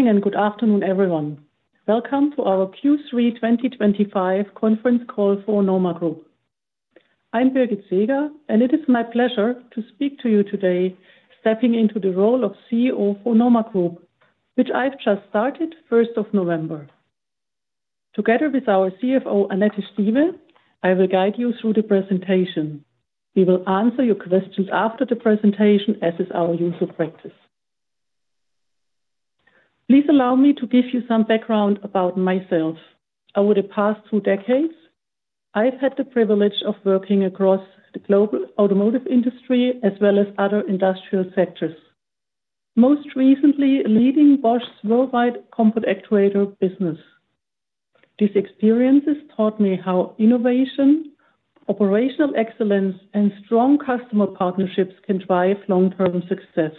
morning and good afternoon, everyone. Welcome to our Q3 2025 conference call for NORMA Group. I'm Birgit Seeger, and it is my pleasure to speak to you today, stepping into the role of CEO for NORMA Group, which I've just started 1st of November. Together with our CFO, Annette Stieve, I will guide you through the presentation. We will answer your questions after the presentation, as is our usual practice. Please allow me to give you some background about myself. Over the past two decades, I've had the privilege of working across the global automotive industry as well as other industrial sectors, most recently leading Bosch's worldwide compact actuator business. These experiences taught me how innovation, operational excellence, and strong customer partnerships can drive long-term success.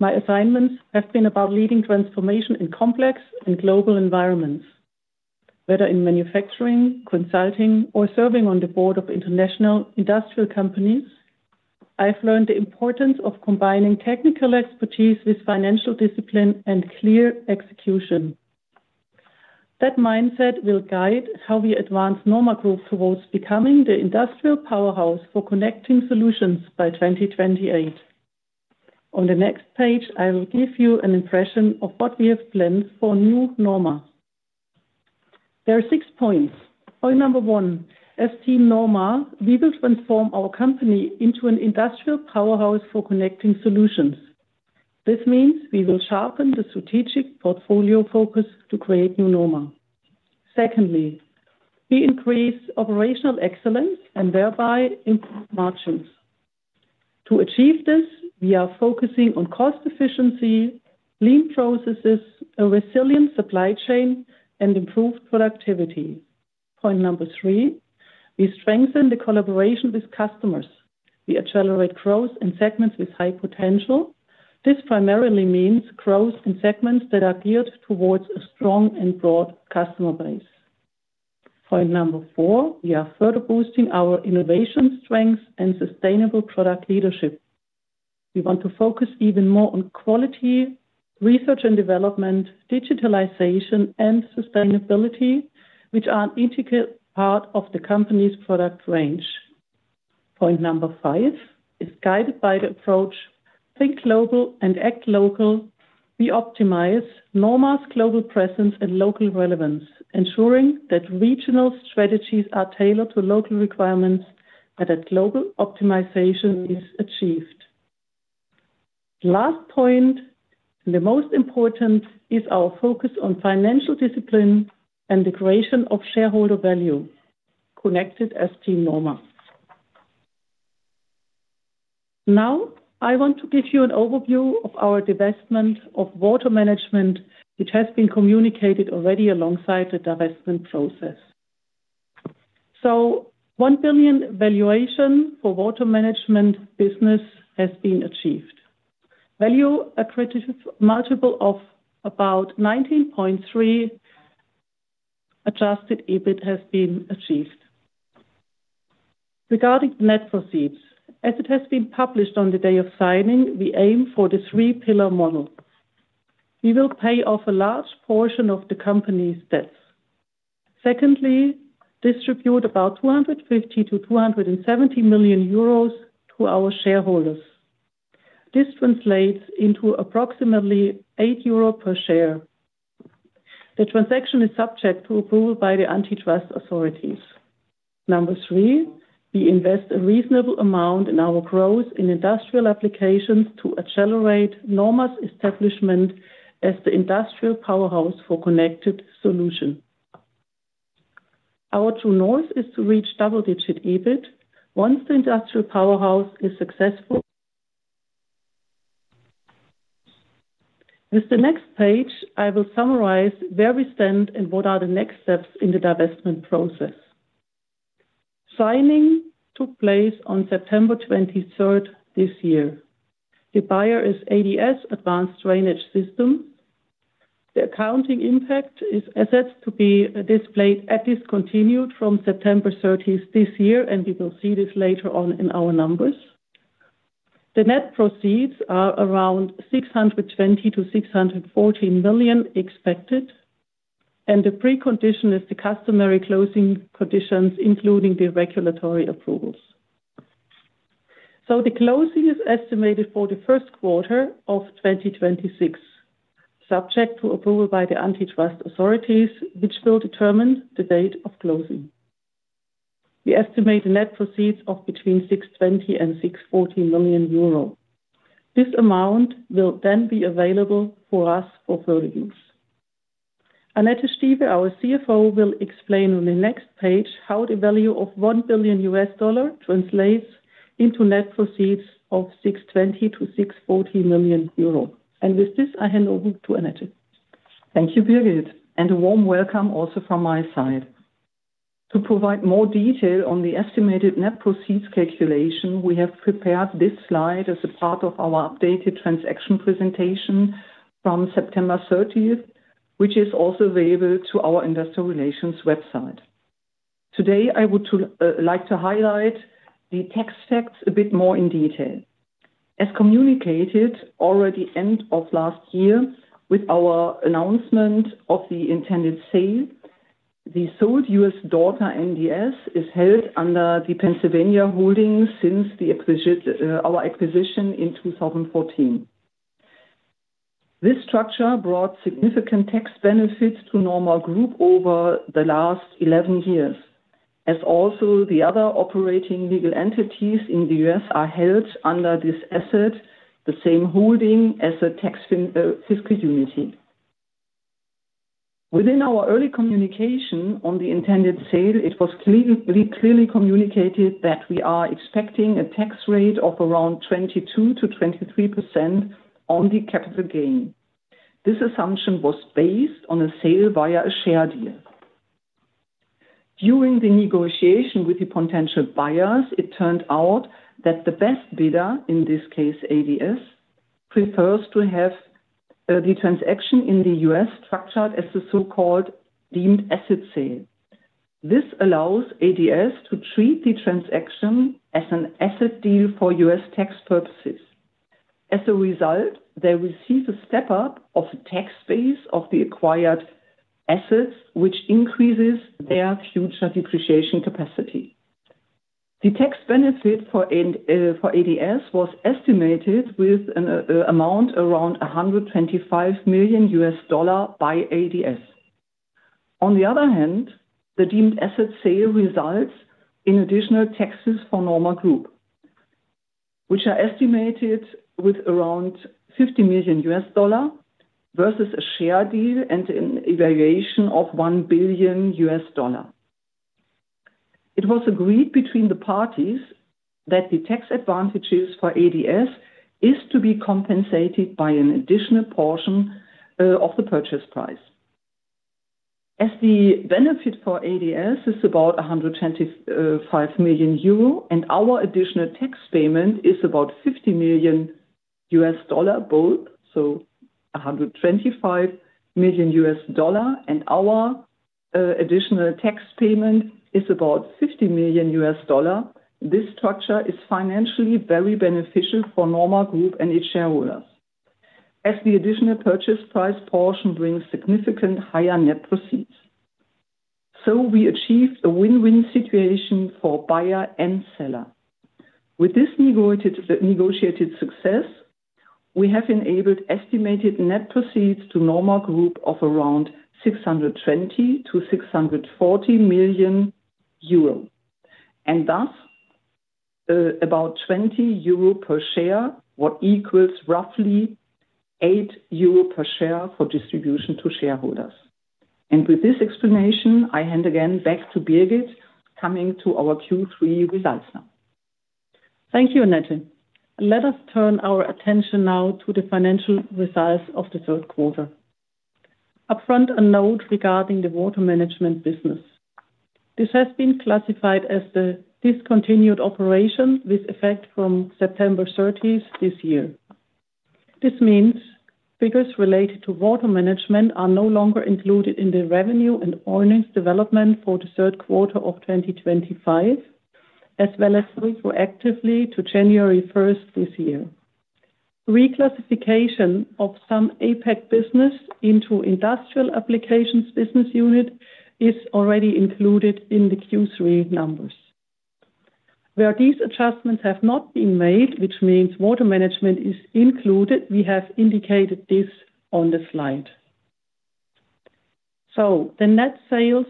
My assignments have been about leading transformation in complex and global environments. Whether in manufacturing, consulting, or serving on the board of international industrial companies, I've learned the importance of combining technical expertise with financial discipline and clear execution. That mindset will guide how we advance NORMA Group towards becoming the industrial powerhouse for connecting solutions by 2028. On the next page, I will give you an impression of what we have planned for New NORMA. There are six points. Point number one: As Team NORMA, we will transform our company into an industrial powerhouse for connecting solutions. This means we will sharpen the strategic portfolio focus to create New NORMA. Secondly, we increase operational excellence and thereby improve margins. To achieve this, we are focusing on cost efficiency, lean processes, a resilient supply chain, and improved productivity. Point number three: We strengthen the collaboration with customers. We accelerate growth in segments with high potential. This primarily means growth in segments that are geared towards a strong and broad customer base. Point number four: We are further boosting our innovation strengths and sustainable product leadership. We want to focus even more on quality, research and development, digitalization, and sustainability, which are an integral part of the company's product range. Point number five is guided by the approach: Think global and act local. We optimize NORMA's global presence and local relevance, ensuring that regional strategies are tailored to local requirements and that global optimization is achieved. Last point. The most important, is our focus on financial discipline and the creation of shareholder value connected as Team NORMA. Now, I want to give you an overview of our divestment of water management, which has been communicated already alongside the divestment process. So, $1 billion valuation for water management business has been achieved. Value accredited multiple of about 19.3. Adjusted EBIT has been achieved. Regarding net receipts, as it has been published on the day of signing, we aim for the three-pillar model. We will pay off a large portion of the company's debts. Secondly, distribute about 250 million-270 million euros to our shareholders. This translates into approximately 8 euro per share. The transaction is subject to approval by the antitrust authorities. Number three, we invest a reasonable amount in our growth in industrial applications to accelerate NORMA's establishment as the industrial powerhouse for connected solutions. Our true north is to reach double-digit EBIT once the industrial powerhouse is successful. With the next page, I will summarize where we stand and what are the next steps in the divestment process. Signing took place on September 23rd this year. The buyer is ADS, Advanced Drainage Systems. The accounting impact is assets to be displayed as discontinued from September 30th this year, and we will see this later on in our numbers. The net proceeds are around 620 million-614 million expected. The precondition is the customary closing conditions, including the regulatory approvals. The closing is estimated for the first quarter of 2026, subject to approval by the antitrust authorities, which will determine the date of closing. We estimate the net proceeds of between 620 million euros and EUR 614 million. This amount will then be available for us for further use. Annette Stieve, our CFO, will explain on the next page how the value of $1 billion translates into net proceeds of 620 million-614 million euro. With this, I hand over to Annette. Thank you, Birgit, and a warm welcome also from my side. To provide more detail on the estimated net proceeds calculation, we have prepared this slide as a part of our updated transaction presentation from September 30th, which is also available to our investor relations website. Today, I would like to highlight the tax facts a bit more in detail. As communicated already at the end of last year with our announcement of the intended sale, the sold U.S. daughter NDS is held under the Pennsylvania holdings since our acquisition in 2014. This structure brought significant tax benefits to NORMA Group over the last 11 years, as also the other operating legal entities in the U.S. are held under this asset, the same holding as a tax fiscal unity. Within our early communication on the intended sale, it was clearly communicated that we are expecting a tax rate of around 22%-23% on the capital gain. This assumption was based on a sale via a share deal. During the negotiation with the potential buyers, it turned out that the best bidder, in this case ADS, prefers to have the transaction in the U.S. structured as the so-called deemed asset sale. This allows ADS to treat the transaction as an asset deal for U.S. tax purposes. As a result, they receive a step-up of the tax base of the acquired assets, which increases their future depreciation capacity. The tax benefit for ADS was estimated with an amount around $125 million by ADS. On the other hand, the deemed asset sale results in additional taxes for NORMA Group, which are estimated with around $50 million versus a share deal and an evaluation of $1 billion. It was agreed between the parties that the tax advantages for ADS are to be compensated by an additional portion of the purchase price. As the benefit for ADS is about 125 million euro and our additional tax payment is about $50 million, both, so $125 million and our additional tax payment is about $50 million, this structure is financially very beneficial for NORMA Group and its shareholders. As the additional purchase price portion brings significant higher net proceeds, we achieved a win-win situation for buyer and seller. With this negotiated success, we have enabled estimated net proceeds to NORMA Group of around 620 million-640 million euro, and thus about 20 euro per share, which equals roughly 8 euro per share for distribution to shareholders. With this explanation, I hand again back to Birgit, coming to our Q3 results now. Thank you, Annette. Let us turn our attention now to the financial results of the third quarter. Upfront, a note regarding the water management business. This has been classified as the discontinued operation with effect from September 30th this year. This means figures related to water management are no longer included in the revenue and earnings development for the third quarter of 2025, as well as proactively to January 1st this year. Reclassification of some APEC business into industrial applications business unit is already included in the Q3 numbers. Where these adjustments have not been made, which means water management is included, we have indicated this on the slide. So, the net sales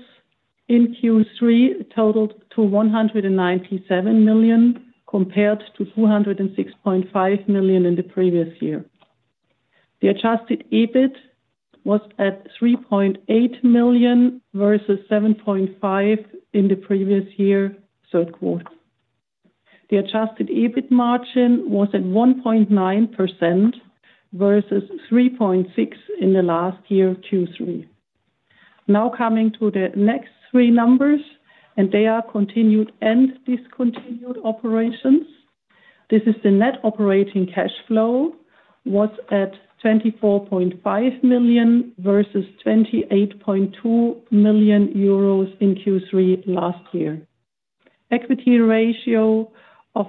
in Q3 totaled to $197 million compared to $206.5 million in the previous year. The Adjusted EBIT was at $3.8 million versus $7.5 million in the previous year third quarter. The Adjusted EBIT margin was at 1.9% versus 3.6% in the last year Q3. Now coming to the next three numbers, and they are continued and discontinued operations. This is the net operating cash flow was at 24.5 million versus 28.2 million euros in Q3 last year. Equity ratio of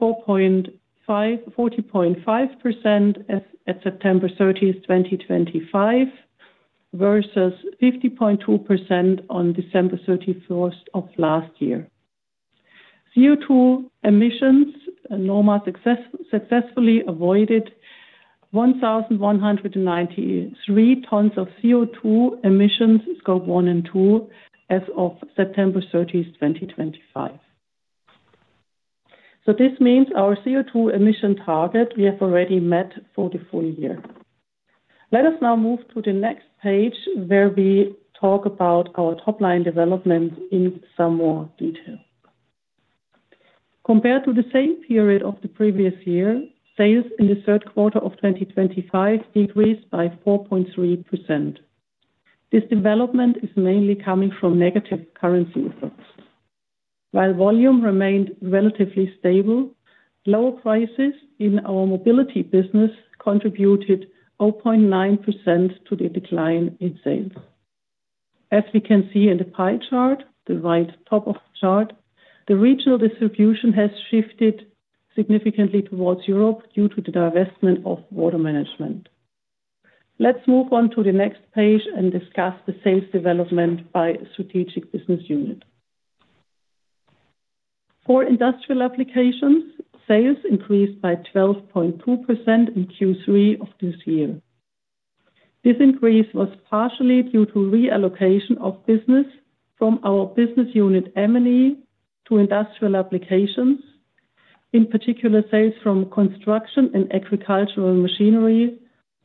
40.5% at September 30th, 2025 versus 50.2% on December 31st of last year. CO2 emissions NORMA successfully avoided: 1,193 tons of CO2 emissions Scope 1 and 2 as of September 30th, 2025. This means our CO2 emission target we have already met for the full year. Let us now move to the next page where we talk about our top line development in some more detail. Compared to the same period of the previous year, sales in the third quarter of 2025 decreased by 4.3%. This development is mainly coming from negative currency effects. While volume remained relatively stable, lower prices in our mobility business contributed 0.9% to the decline in sales. As we can see in the pie chart, the right top of the chart, the regional distribution has shifted significantly towards Europe due to the divestment of water management. Let's move on to the next page and discuss the sales development by strategic business unit. For industrial applications, sales increased by 12.2% in Q3 of this year. This increase was partially due to reallocation of business from our business unit M&E to industrial applications. In particular, sales from construction and agricultural machinery,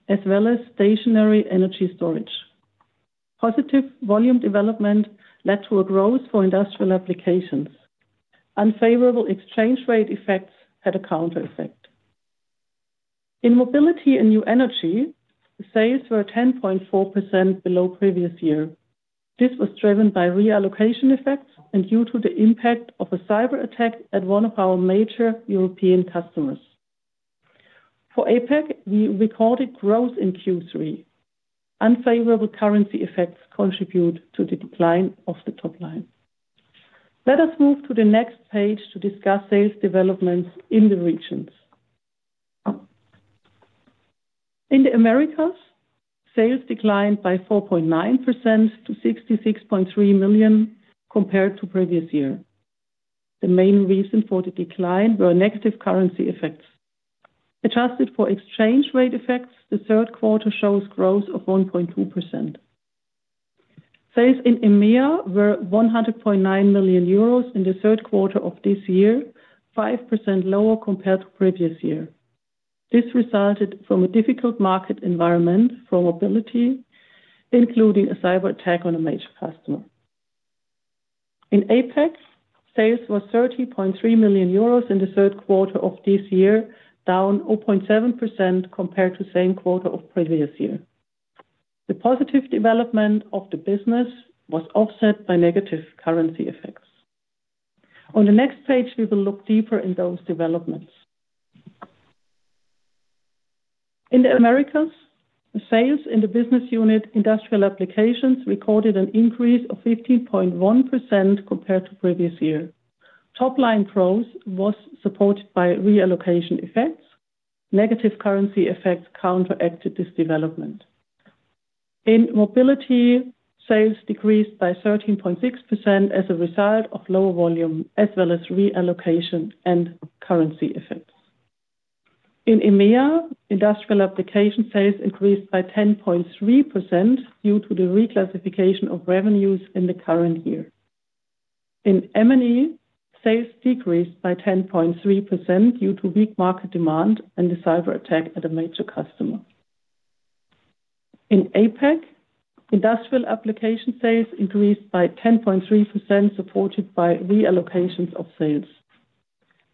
as well as stationary energy storage. Positive volume development led to a growth for industrial applications. Unfavorable exchange rate effects had a counter effect. In mobility and new energy, sales were 10.4% below previous year. This was driven by reallocation effects and due to the impact of a cyber attack at one of our major European customers. For APEC, we recorded growth in Q3. Unfavorable currency effects contribute to the decline of the top line. Let us move to the next page to discuss sales developments in the regions. In the Americas, sales declined by 4.9% to $66.3 million compared to previous year. The main reason for the decline were negative currency effects. Adjusted for exchange rate effects, the third quarter shows growth of 1.2%. Sales in EMEA were 100.9 million euros in the third quarter of this year, 5% lower compared to previous year. This resulted from a difficult market environment for mobility, including a cyber attack on a major customer. In APEC, sales were 30.3 million euros in the third quarter of this year, down 0.7% compared to the same quarter of previous year. The positive development of the business was offset by negative currency effects. On the next page, we will look deeper in those developments. In the Americas, sales in the business unit industrial applications recorded an increase of 15.1% compared to previous year. Top line growth was supported by reallocation effects. Negative currency effects counteracted this development. In mobility, sales decreased by 13.6% as a result of lower volume as well as reallocation and currency effects. In EMEA, industrial application sales increased by 10.3% due to the reclassification of revenues in the current year. In M&E, sales decreased by 10.3% due to weak market demand and the cyber attack at a major customer. In APEC, industrial application sales increased by 10.3%, supported by reallocations of sales.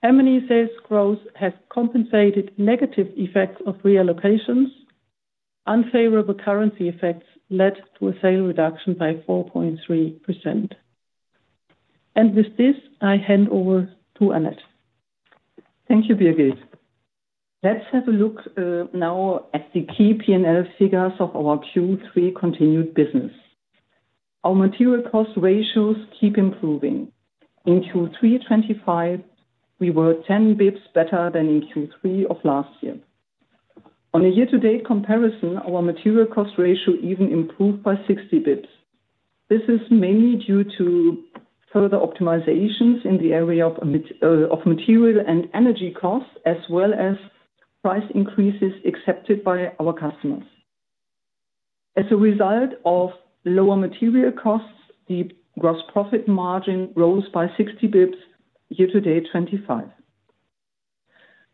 Mobility sales growth has compensated negative effects of reallocations. Unfavorable currency effects led to a sale reduction by 4.3%. With this, I hand over to Annette. Thank you, Birgit. Let's have a look now at the key P&L figures of our Q3 continued business. Our material cost ratios keep improving. In Q3 25, we were 10 basis points better than in Q3 of last year. On a year-to-date comparison, our material cost ratio even improved by 60 basis points. This is mainly due to further optimizations in the area of material and energy costs, as well as price increases accepted by our customers. As a result of lower material costs, the gross profit margin rose by 60 basis points year-to-date 2025.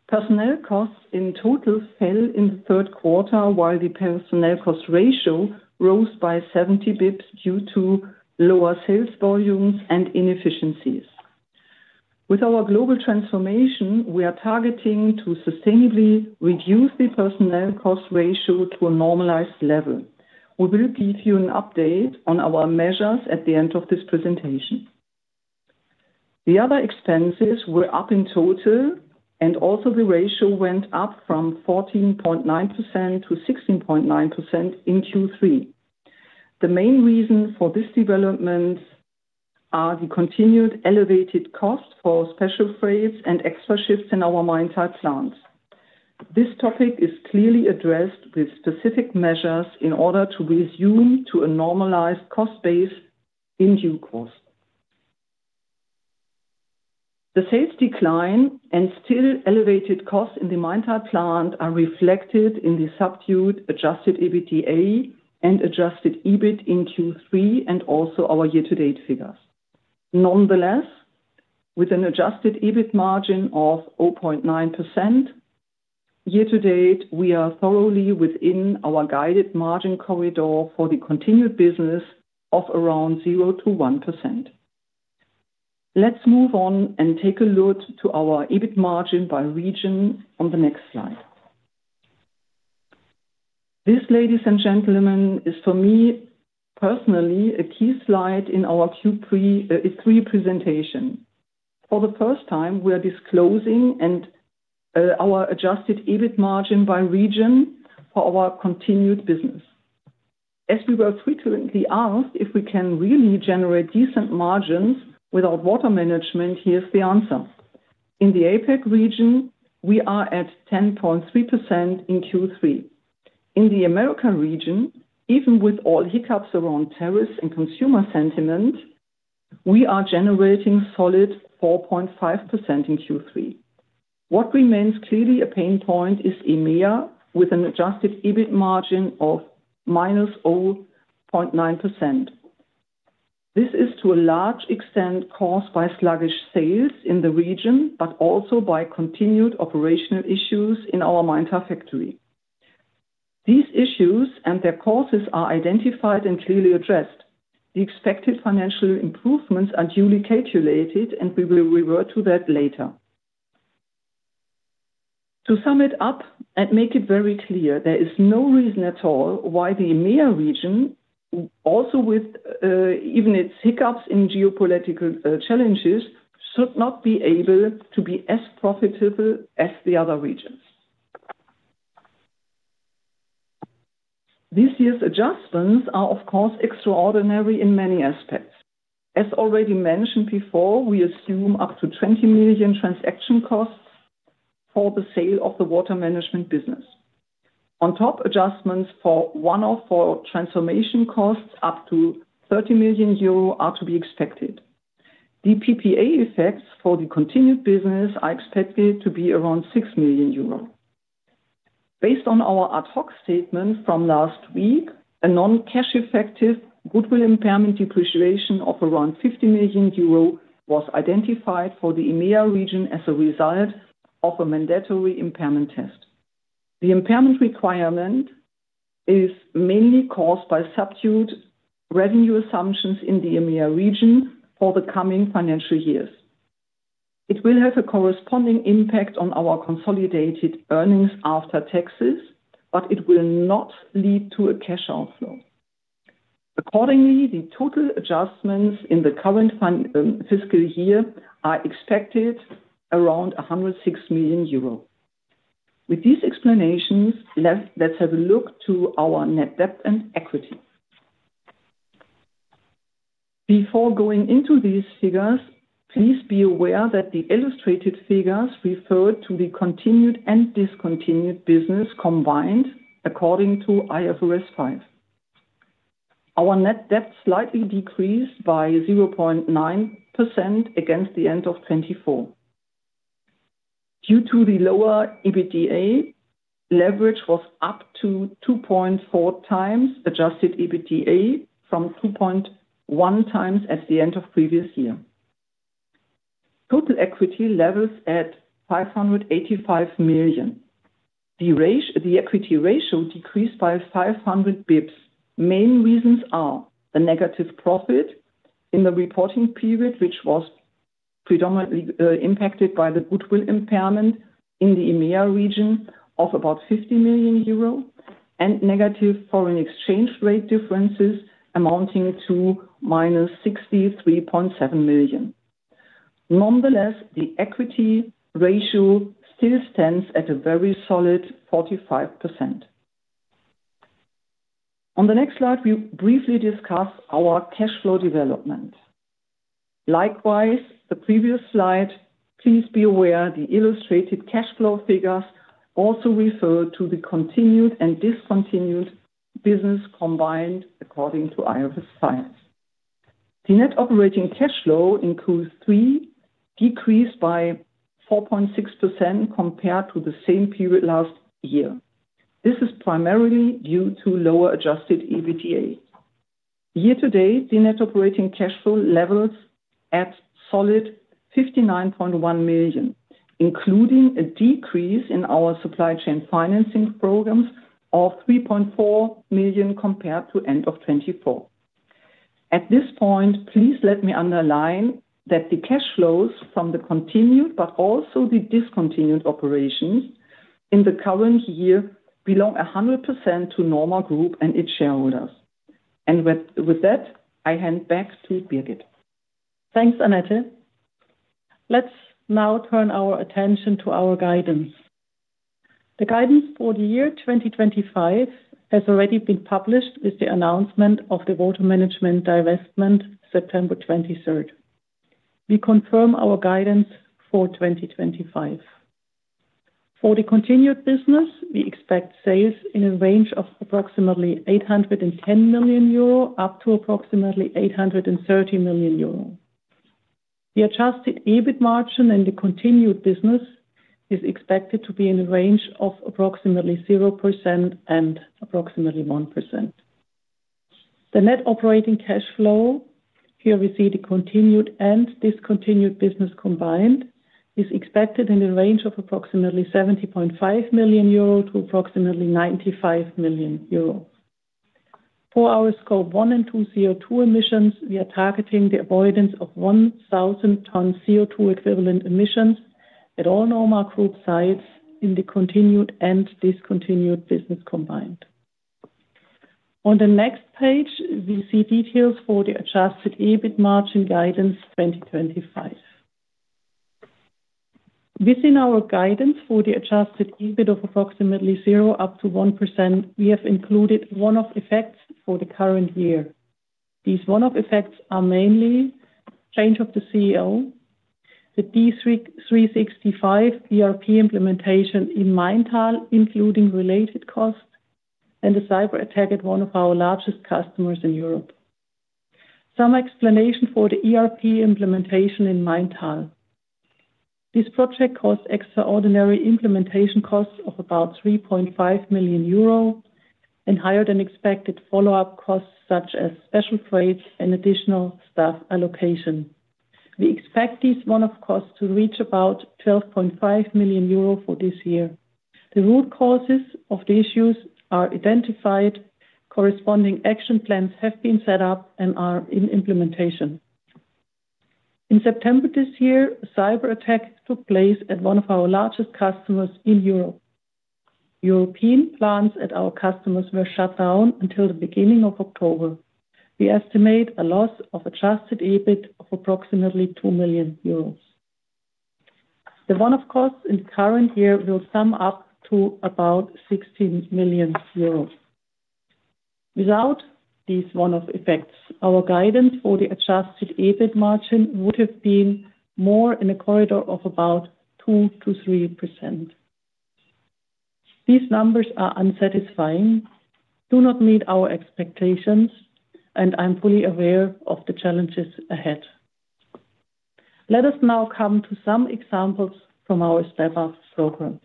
Personnel costs in total fell in the third quarter, while the personnel cost ratio rose by 70 basis points due to lower sales volumes and inefficiencies. With our global transformation, we are targeting to sustainably reduce the personnel cost ratio to a normalized level. We will give you an update on our measures at the end of this presentation. The other expenses were up in total, and also the ratio went up from 14.9% to 16.9% in Q3. The main reason for this development are the continued elevated costs for special freights and extra shifts in our Maintal plants. This topic is clearly addressed with specific measures in order to resume to a normalized cost base in due course. The sales decline and still elevated costs in the Maintal plant are reflected in the subdued Adjusted EBITDA and Adjusted EBIT in Q3 and also our year-to-date figures. Nonetheless, with an Adjusted EBIT margin of 0.9% year-to-date, we are thoroughly within our guided margin corridor for the continued business of around 0%-1%. Let's move on and take a look to our EBIT margin by region on the next slide. This, ladies and gentlemen, is for me personally a key slide in our Q3 presentation. For the first time, we are disclosing our Adjusted EBIT margin by region for our continued business. As we were frequently asked if we can really generate decent margins without water management, here's the answer. In the APEC region, we are at 10.3% in Q3. In the Americas region, even with all hiccups around tariffs and consumer sentiment, we are generating solid 4.5% in Q3. What remains clearly a pain point is EMEA with an Adjusted EBIT margin of -0.9%. This is to a large extent caused by sluggish sales in the region, but also by continued operational issues in our Maintal factory. These issues and their causes are identified and clearly addressed. The expected financial improvements are duly calculated, and we will revert to that later. To sum it up and make it very clear, there is no reason at all why the EMEA region, also with its hiccups in geopolitical challenges, should not be able to be as profitable as the other regions. This year's adjustments are, of course, extraordinary in many aspects. As already mentioned before, we assume up to 20 million transaction costs for the sale of the water management business. On top adjustments for one or four transformation costs up to 30 million euro are to be expected. The PPA effects for the continued business are expected to be around 6 million euro. Based on our ad hoc statement from last week, a non-cash effective goodwill impairment depreciation of around 50 million euro was identified for the EMEA region as a result of a mandatory impairment test. The impairment requirement is mainly caused by subdued revenue assumptions in the EMEA region for the coming financial years. It will have a corresponding impact on our consolidated earnings after taxes, but it will not lead to a cash outflow. Accordingly, the total adjustments in the current fiscal year are expected around 106 million euro. With these explanations, let's have a look to our net debt and equity. Before going into these figures, please be aware that the illustrated figures refer to the continued and discontinued business combined according to IFRS 5. Our net debt slightly decreased by 0.9% against the end of 2024. Due to the lower EBITDA, leverage was up to 2.4x Adjusted EBITDA from 2.1x at the end of the previous year. Total equity levels at 585 million. The equity ratio decreased by 500 basis points. Main reasons are the negative profit in the reporting period, which was predominantly impacted by the goodwill impairment in the EMEA region of about 50 million euro, and negative foreign exchange rate differences amounting to minus 63.7 million. Nonetheless, the equity ratio still stands at a very solid 45%. On the next slide, we briefly discuss our cash flow development. Likewise, the previous slide, please be aware, the illustrated cash flow figures also refer to the continued and discontinued business combined according to IFRS 5. The net operating cash flow increased by 4.6% compared to the same period last year. This is primarily due to lower Adjusted EBITDA. Year-to-date, the net operating cash flow levels at solid 59.1 million, including a decrease in our supply chain financing programs of 3.4 million compared to the end of 2024. At this point, please let me underline that the cash flows from the continued but also the discontinued operations in the current year belong 100% to NORMA Group and its shareholders. And with that, I hand back to Birgit. Thanks, Annette. Let's now turn our attention to our guidance. The guidance for the year 2025 has already been published with the announcement of the water management divestment September 23rd. We confirm our guidance for 2025. For the continued business, we expect sales in a range of approximately 810 million euro up to approximately 830 million euro. The Adjusted EBIT margin in the continued business is expected to be in the range of approximately 0% and approximately 1%. The net operating cash flow, here we see the continued and discontinued business combined, is expected in the range of approximately 70.5 million euro to approximately 95 million euro. For our Scope 1 and 2 CO2 emissions, we are targeting the avoidance of 1,000 tons CO2 equivalent emissions at all NORMA Group sites in the continued and discontinued business combined. On the next page, we see details for the Adjusted EBIT margin guidance 2025. Within our guidance for the Adjusted EBIT of approximately 0%-1%, we have included one-off effects for the current year. These one-off effects are mainly change of the CEO. The D365 ERP implementation in Maintal, including related costs, and the cyber attack at one of our largest customers in Europe. Some explanation for the ERP implementation in Maintal. This project caused extraordinary implementation costs of about 3.5 million euro and higher than expected follow-up costs such as special freights and additional staff allocation. We expect these one-off costs to reach about 12.5 million euro for this year. The root causes of the issues are identified. Corresponding action plans have been set up and are in implementation. In September this year, a cyber attack took place at one of our largest customers in Europe. European plants at our customers were shut down until the beginning of October. We estimate a loss of Adjusted EBIT of approximately 2 million euros. The one-off costs in the current year will sum up to about 16 million euros. Without these one-off effects, our guidance for the Adjusted EBIT margin would have been more in a corridor of about 2%-3%. These numbers are unsatisfying, do not meet our expectations, and I'm fully aware of the challenges ahead. Let us now come to some examples from our Step Up program.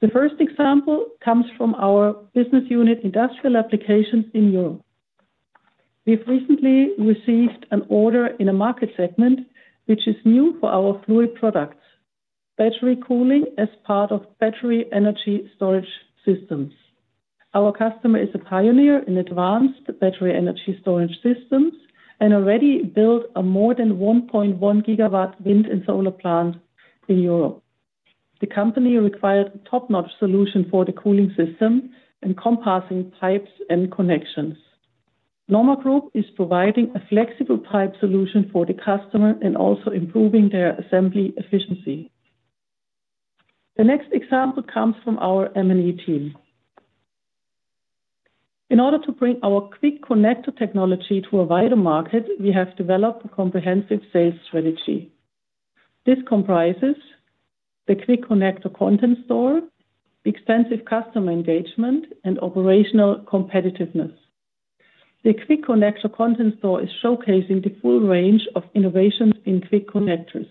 The first example comes from our business unit, industrial applications in Europe. We've recently received an order in a market segment which is new for our fluid products, battery cooling as part of battery energy storage systems. Our customer is a pioneer in advanced battery energy storage systems and already built a more than 1.1 GW wind and solar plant in Europe. The company required a top-notch solution for the cooling system and compassing pipes and connections. NORMA Group is providing a flexible pipe solution for the customer and also improving their assembly efficiency. The next example comes from our M&E team. In order to bring our Quick Connector technology to a wider market, we have developed a comprehensive sales strategy. This comprises the Quick Connector content store, extensive customer engagement, and operational competitiveness. The Quick Connector content store is showcasing the full range of innovations in Quick Connectors.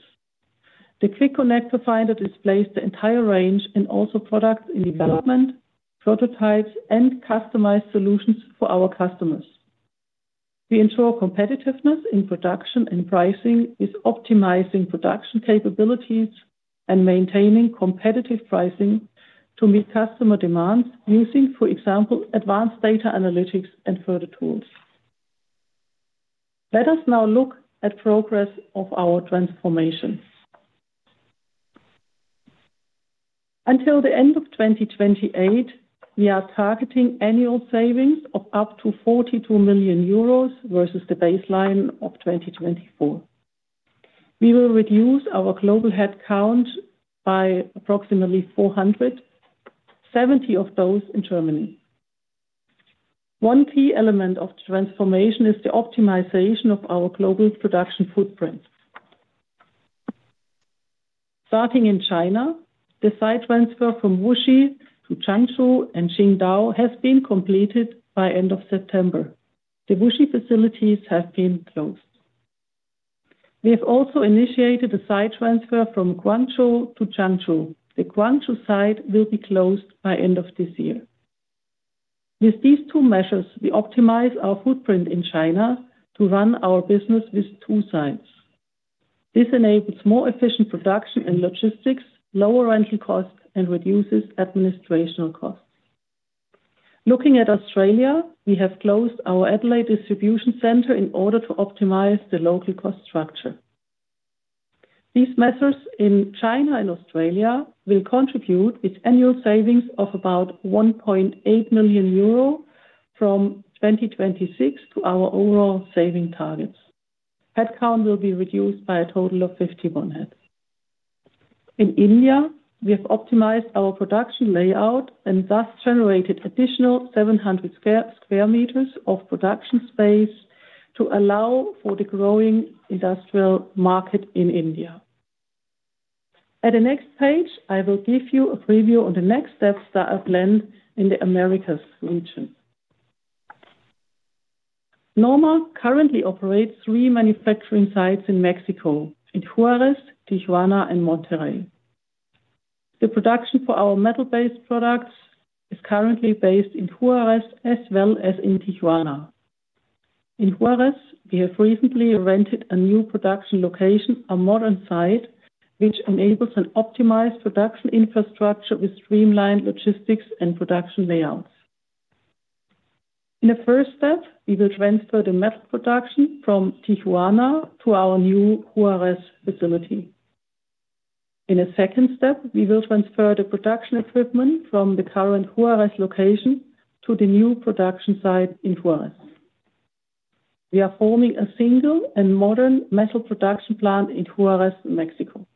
The Quick Connector finder displays the entire range and also products in development, prototypes, and customized solutions for our customers. We ensure competitiveness in production and pricing with optimizing production capabilities and maintaining competitive pricing to meet customer demands using, for example, advanced data analytics and further tools. Let us now look at the progress of our transformation. Until the end of 2028, we are targeting annual savings of up to 42 million euros versus the baseline of 2024. We will reduce our global headcount by approximately 400. 70 of those in Germany. One key element of the transformation is the optimization of our global production footprint. Starting in China, the site transfer from Wuxi to Changzhou and Qingdao has been completed by the end of September. The Wuxi facilities have been closed. We have also initiated a site transfer from Guangzhou to Changzhou. The Guangzhou site will be closed by the end of this year. With these two measures, we optimize our footprint in China to run our business with two sites. This enables more efficient production and logistics, lower rental costs, and reduces administration costs. Looking at Australia, we have closed our Adelaide distribution center in order to optimize the local cost structure. These measures in China and Australia will contribute with annual savings of about 1.8 million euro from 2026 to our overall saving targets. Headcount will be reduced by a total of 51 heads. In India, we have optimized our production layout and thus generated additional 700 sq m of production space to allow for the growing industrial market in India. At the next page, I will give you a preview of the next steps that are planned in the Americas region. NORMA currently operates three manufacturing sites in Mexico: in Juárez, Tijuana, and Monterrey. The production for our metal-based products is currently based in Juárez as well as in Tijuana. In Juárez, we have recently rented a new production location, a modern site, which enables an optimized production infrastructure with streamlined logistics and production layouts. In the first step, we will transfer the metal production from Tijuana to our new Juárez facility. In a second step, we will transfer the production equipment from the current Juárez location to the new production site in Juárez. We are forming a single and modern metal production plant in Juárez, Mexico.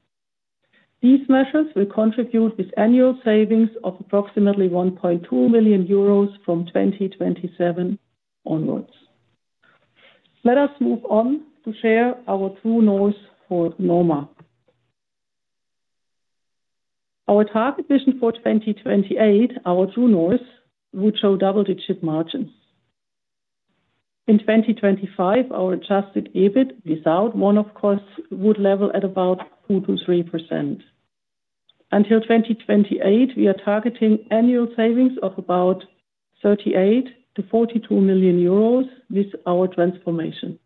These measures will contribute with annual savings of approximately 1.2 million euros from 2027 onwards. Let us move on to share our true north for NORMA. Our target vision for 2028, our true north, would show double-digit margins. In 2025, our Adjusted EBIT without one-off costs would level at about 2%-3%. Until 2028, we are targeting annual savings of about 38 million-42 million euros with our transformation.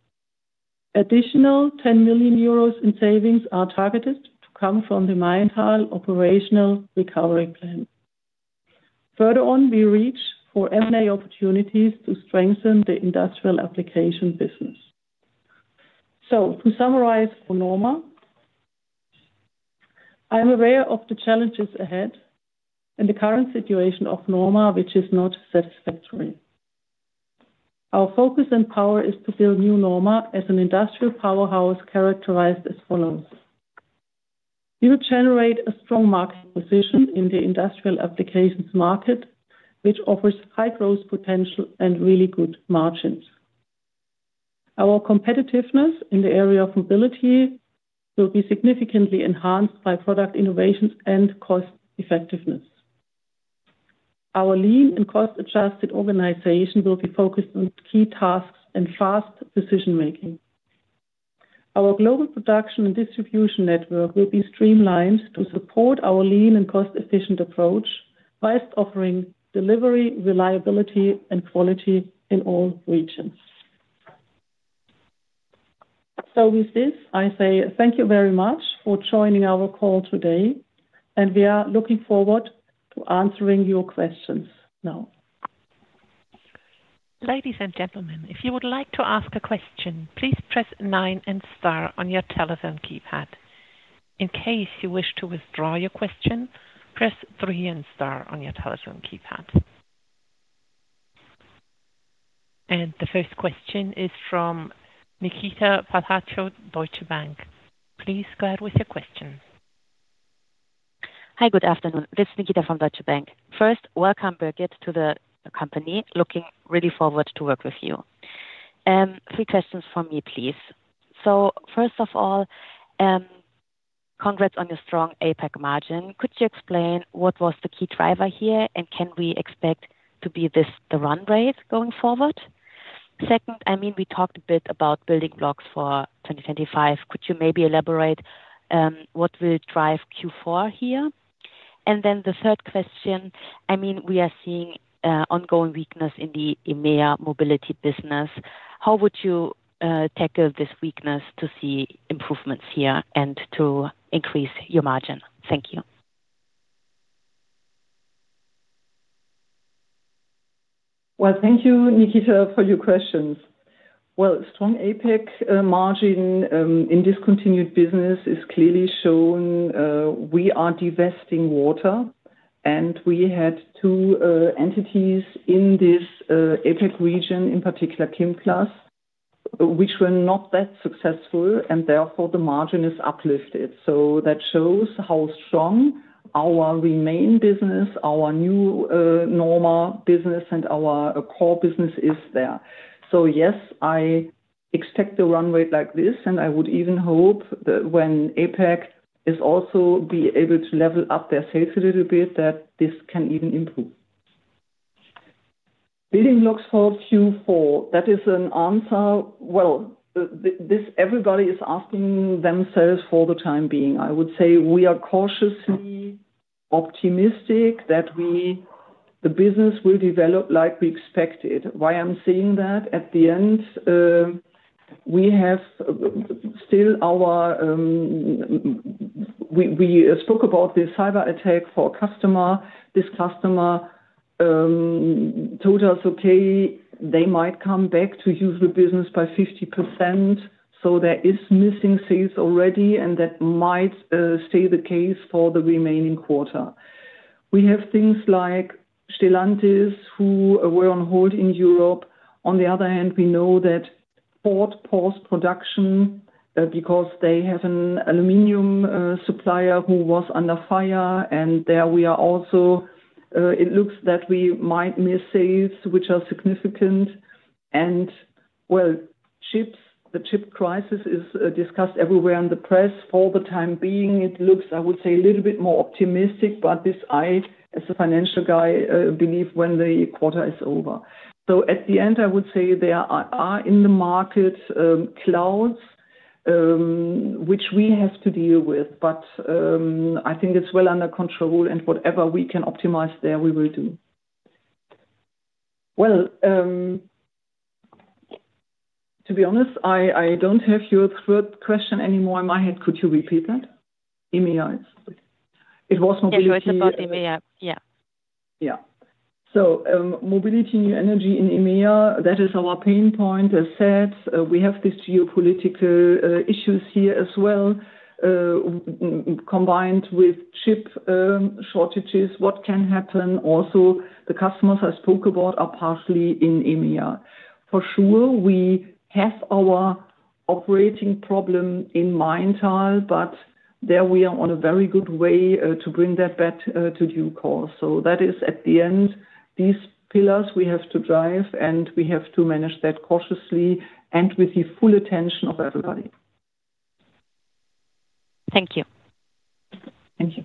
Additional 10 million euros in savings are targeted to come from the Maintal operational recovery plan. Further on, we reach for M&A opportunities to strengthen the industrial application business. To summarize for NORMA. I'm aware of the challenges ahead and the current situation of NORMA, which is not satisfactory. Our focus and power is to build new NORMA as an industrial powerhouse characterized as follows. We will generate a strong market position in the industrial applications market, which offers high growth potential and really good margins. Our competitiveness in the area of mobility will be significantly enhanced by product innovations and cost effectiveness. Our lean and cost-adjusted organization will be focused on key tasks and fast decision-making. Our global production and distribution network will be streamlined to support our lean and cost-efficient approach by offering delivery, reliability, and quality in all regions. So, with this, I say thank you very much for joining our call today, and we are looking forward to answering your questions now. Ladies and gentlemen, if you would like to ask a question, please press nine and star on your telephone keypad. In case you wish to withdraw your question, press three and star on your telephone keypad. The first question is from Nikita Paliashvili, Deutsche Bank. Please go ahead with your question. Hi, good afternoon. This is Nikita from Deutsche Bank. First, welcome, Birgit, to the company. Looking really forward to work with you. Three questions from me, please. First of all, congrats on your strong APEC margin. Could you explain what was the key driver here, and can we expect to be this the run rate going forward? Second, I mean, we talked a bit about building blocks for 2025. Could you maybe elaborate what will drive Q4 here? The third question, I mean, we are seeing ongoing weakness in the EMEA mobility business. How would you tackle this weakness to see improvements here and to increase your margin? Thank you. Thank you, Nikita, for your questions. Strong APEC margin in discontinued business is clearly shown. We are divesting water, and we had two entities in this APEC region, in particular, Kimplas, which were not that successful, and therefore the margin is uplifted. That shows how strong our remaining business, our new NORMA business, and our core business is there. Yes, I expect the run rate like this, and I would even hope that when APEC is also able to level up their sales a little bit, that this can even improve. Building blocks for Q4, that is an answer everybody is asking themselves for the time being. I would say we are cautiously optimistic that the business will develop like we expected. Why I'm saying that? At the end we have still our, we spoke about the cyber attack for a customer. This customer told us, "Okay, they might come back to use the business by 50%," so there are missing sales already, and that might stay the case for the remaining quarter. We have things like Stellantis, who were on hold in Europe. On the other hand, we know that Ford paused production because they have an aluminum supplier who was under fire, and there we are also. It looks that we might miss sales, which are significant. Well, chips, the chip crisis is discussed everywhere in the press for the time being. It looks, I would say, a little bit more optimistic, but this, I, as a financial guy, believe when the quarter is over. So at the end, I would say there are in the market clouds which we have to deal with, but I think it's well under control, and whatever we can optimize there, we will do. Well, to be honest, I don't have your third question anymore in my head. Could you repeat that? EMEA? It was mobility. Yeah, it was about EMEA. Yeah. Yeah. Mobility, new energy in EMEA, that is our pain point, as said. We have these geopolitical issues here as well. Combined with chip shortages, what can happen? Also, the customers I spoke about are partially in EMEA. For sure, we have our operating problem in Maintal, but there we are on a very good way to bring that back to due course. That is, at the end, these pillars we have to drive, and we have to manage that cautiously and with the full attention of everybody. Thank you. Thank you.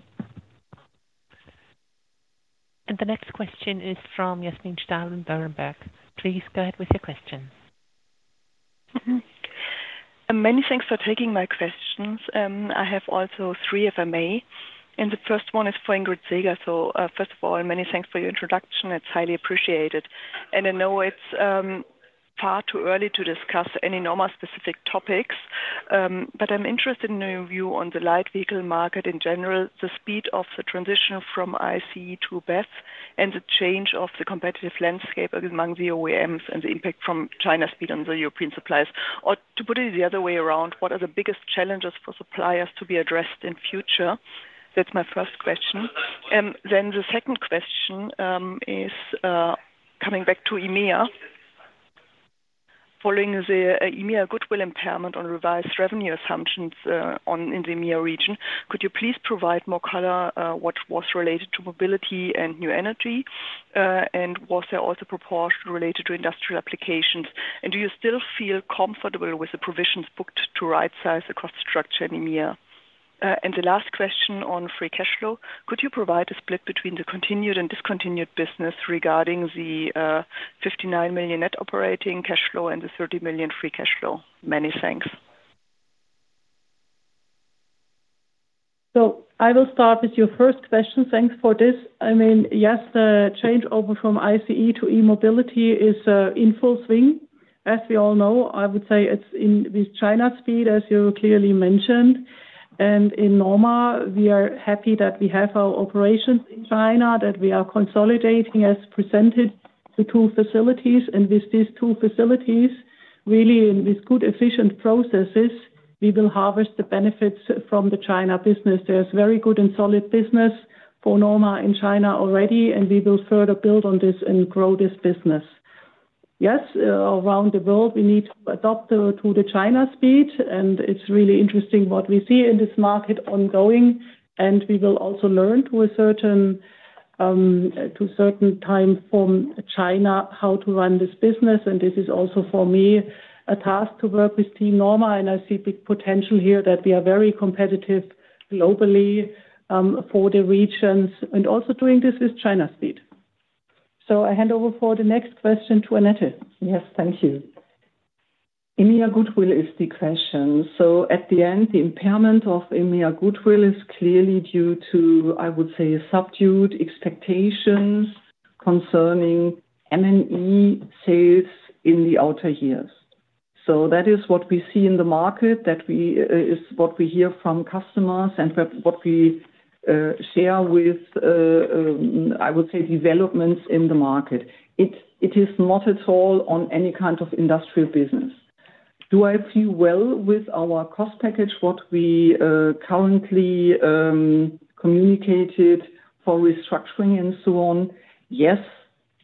The next question is from Yasmin Steilen, Berenberg. Please go ahead with your question. Many thanks for taking my questions. I have also three if I may. The first one is for Birgit Seeger. First of all, many thanks for your introduction. It's highly appreciated.I know it's far too early to discuss any NORMA-specific topics, but I'm interested in your view on the light vehicle market in general, the speed of the transition from ICE to BEV, and the change of the competitive landscape among the OEMs and the impact from China's speed on the European suppliers. Or to put it the other way around, what are the biggest challenges for suppliers to be addressed in the future? That's my first question. Then the second question is coming back to EMEA. Following the EMEA goodwill impairment on revised revenue assumptions in the EMEA region, could you please provide more color on what was related to mobility and new energy? Was there also proportion related to industrial applications? Do you still feel comfortable with the provisions booked to right size across structure in EMEA? The last question on free cash flow, could you provide a split between the continued and discontinued business regarding the 59 million net operating cash flow and the 30 million free cash flow? Many thanks. I will start with your first question. Thanks for this. I mean, yes, the change over from ICE to e-mobility is in full swing. As we all know, I would say it's with China's speed, as you clearly mentioned. In NORMA, we are happy that we have our operations in China, that we are consolidating, as presented, the two facilities. With these two facilities, really, with good efficient processes, we will harvest the benefits from the China business. There is very good and solid business for NORMA in China already, and we will further build on this and grow this business. Yes, around the world, we need to adapt to the China speed, and it's really interesting what we see in this market ongoing. We will also learn to a certain time from China how to run this business. This is also, for me, a task to work with Team NORMA, and I see big potential here that we are very competitive globally. For the regions and also doing this with China speed. I hand over for the next question to Annette. Yes, thank you. EMEA Goodwill is the question. At the end, the impairment of EMEA Goodwill is clearly due to, I would say, subdued expectations concerning M&E sales in the outer years. That is what we see in the market, that is what we hear from customers and what we share with, I would say, developments in the market. It is not at all on any kind of industrial business. Do I feel well with our cost package, what we currently communicated for restructuring and so on? Yes,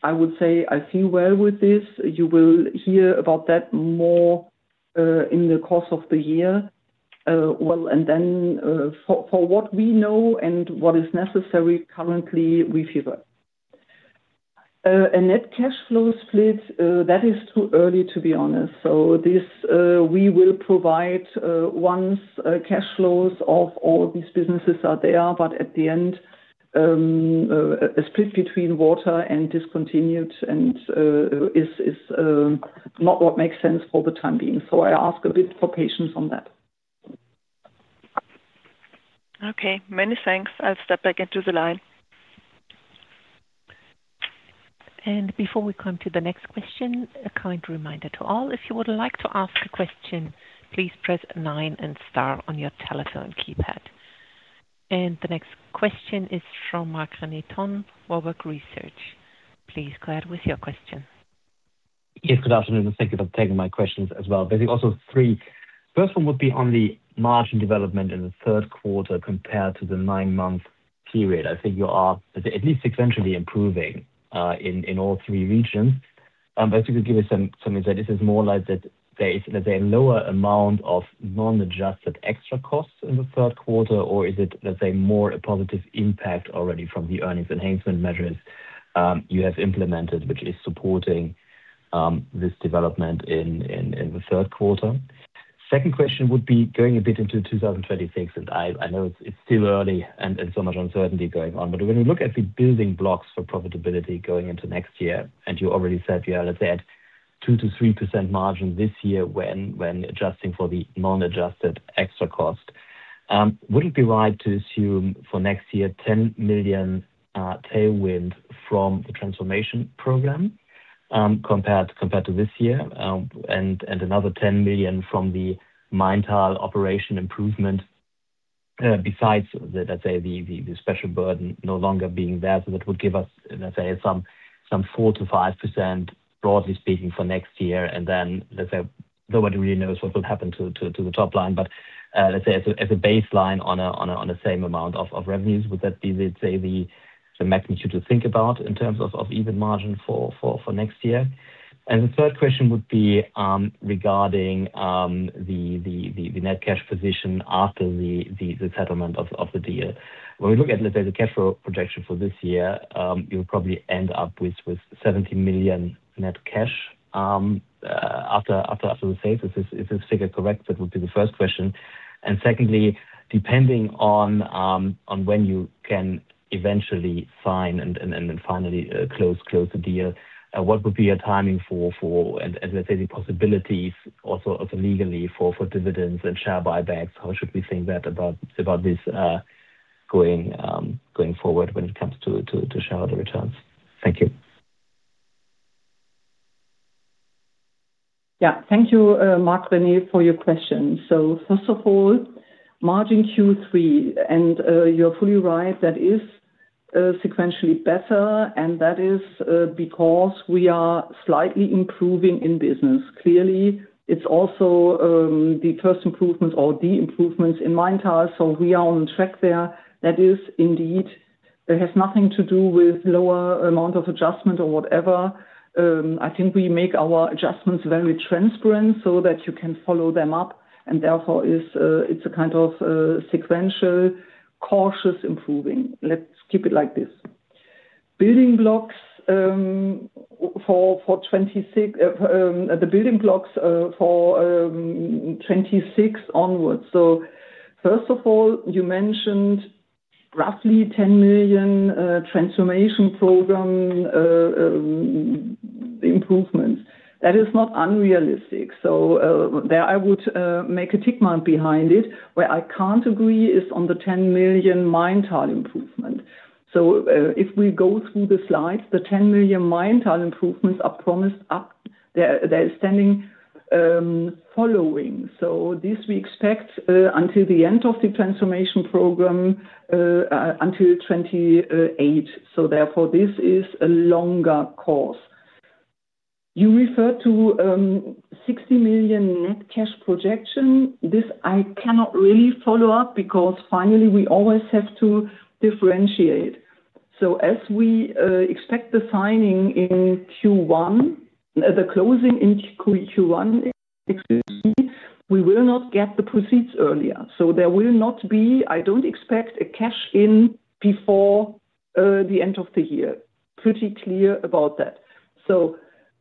I would say I feel well with this. You will hear about that more in the course of the year. For what we know and what is necessary currently, we feel well. A net cash flow split, that is too early, to be honest. We will provide once cash flows of all these businesses are there, but at the end, a split between water and discontinued is not what makes sense for the time being. I ask a bit for patience on that. Okay, many thanks. I'll step back into the line. Before we come to the next question, a kind reminder to all, if you would like to ask a question, please press 9 and star on your telephone keypad. The next question is from Marc-René Tonn, Warburg Research. Please go ahead with your question. Yes, good afternoon. Thank you for taking my questions as well. Basically, also three. First one would be on the margin development in the third quarter compared to the nine-month period. I think you are at least sequentially improving in all three regions. Basically, to give you some insight, is this more like that there is, let's say, a lower amount of non-adjusted extra costs in the third quarter, or is it, let's say, more a positive impact already from the earnings enhancement measures you have implemented, which is supporting this development in the third quarter? Second question would be going a bit into 2026, and I know it's still early and so much uncertainty going on, but when we look at the building blocks for profitability going into next year, and you already said we are, let's say, at 2%-3% margin this year when adjusting for the non-adjusted extra cost. Would it be right to assume for next year 10 million tailwind from the transformation program compared to this year and another 10 million from the Maintal operation improvement? Besides, let's say, the special burden no longer being there. That would give us, let's say, some 4%-5%, broadly speaking, for next year. Let's say, nobody really knows what will happen to the top line. Let's say, as a baseline on the same amount of revenues, would that be, let's say, the magnitude to think about in terms of EBIT margin for next year? The third question would be regarding the net cash position after the settlement of the deal. When we look at, let's say, the cash flow projection for this year, you'll probably end up with 70 million net cash after the sales. Is this figure correct? That would be the first question. Secondly, depending on when you can eventually sign and then finally close the deal, what would be your timing for, as I say, the possibilities also legally for dividends and share buybacks? How should we think about this going forward when it comes to shareholder returns? Thank you. Yeah, thank you, Marc-René, for your questions. First of all, margin Q3, and you're fully right, that is sequentially better, and that is because we are slightly improving in business. Clearly, it's also the first improvements or the improvements in Maintal, so we are on track there. That is, indeed, it has nothing to do with lower amount of adjustment or whatever. I think we make our adjustments very transparent so that you can follow them up, and therefore it's a kind of sequential, cautious improving. Let's keep it like this. Building blocks for 2026 onwards. First of all, you mentioned roughly 10 million transformation program improvements. That is not unrealistic. There I would make a tick mark behind it. Where I can't agree is on the 10 million Maintal improvement. If we go through the slides, the 10 million Maintal improvements are promised up, they're standing, following. This we expect until the end of the transformation program, until 2028. Therefore, this is a longer course. You referred to 60 million net cash projection. This I cannot really follow up because finally we always have to differentiate. As we expect the signing in Q1, the closing in Q1, we will not get the proceeds earlier. There will not be, I don't expect a cash in before the end of the year. Pretty clear about that.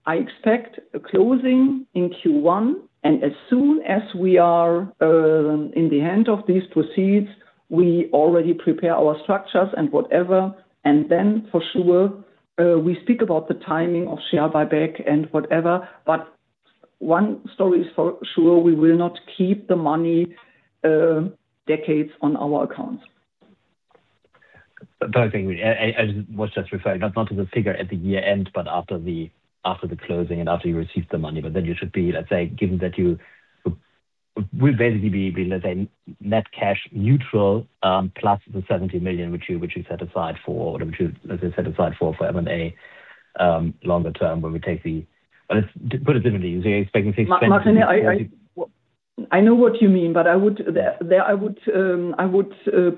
I expect a closing in Q1, and as soon as we are in the hand of these proceeds, we already prepare our structures and whatever. For sure, we speak about the timing of share buyback and whatever. One story is for sure, we will not keep the money decades on our accounts. I think, as what's just referred, not to the figure at the year end, but after the closing and after you receive the money. Then you should be, let's say, given that you would basically be, let's say, net cash neutral plus the 70 million, which you set aside for, or which you, let's say, set aside for M&A. Longer term when we take the... Put it differently. You're expecting EUR 60 million. Marc-René, I know what you mean, but I would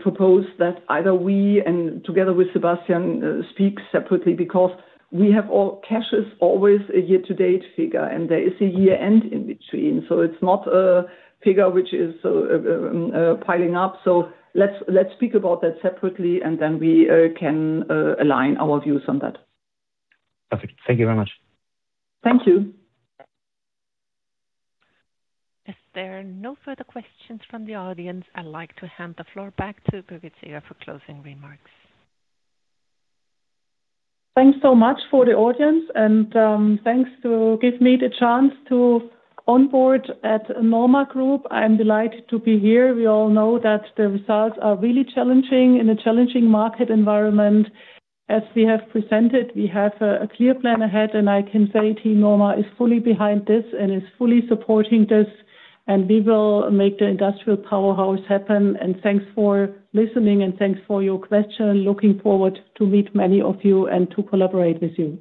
propose that either we and together with Sebastian speak separately because we have all cash is always a year-to-date figure, and there is a year-end in between. So it's not a figure which is piling up. So let's speak about that separately, and then we can align our views on that. Perfect. Thank you very much. Thank you. If there are no further questions from the audience, I'd like to hand the floor back to Birgit Seeger for closing remarks. Thanks so much for the audience, and thanks to give me the chance to onboard at NORMA Group. I'm delighted to be here. We all know that the results are really challenging in a challenging market environment. As we have presented, we have a clear plan ahead, and I can say Team NORMA is fully behind this and is fully supporting this. We will make the industrial powerhouse happen. Thanks for listening, and thanks for your question. Looking forward to meet many of you and to collaborate with you.